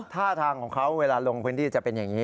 ท่าทางของเขาเวลาลงพื้นที่จะเป็นอย่างนี้